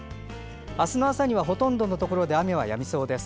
明日の朝にはほとんどのところで雨がやみそうです。